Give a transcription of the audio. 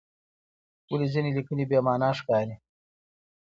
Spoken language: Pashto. ولې ځینې لیکنې بې معنی ښکاري؟